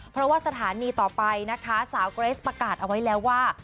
เพราะว่าสถานีต่อไปนะคะสาวเกรสประกาศเอาไว้แล้วว่า